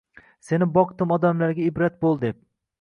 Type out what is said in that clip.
Seni boqdim odamlarga ibrat bul deb